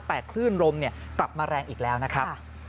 แต่คลื่นลมกลับมาแรงอีกแล้วนะครับ